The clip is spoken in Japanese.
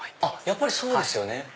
やっぱりそうですよね。